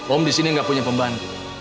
om disini gak punya pembantu